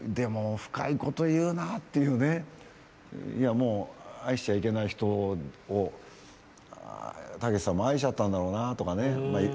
もう愛しちゃいけない人をたけしさんも愛しちゃったんだろうなとかね。